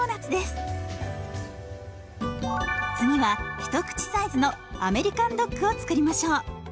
次は一口サイズのアメリカンドッグを作りましょう。